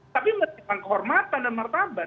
tapi memberikan kehormatan dan martabat